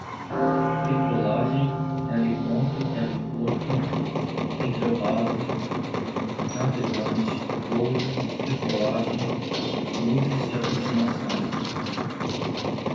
decolagem, heliponto, heliporto, hidrobase, navegante, pouso, decolagem, luzes de aproximação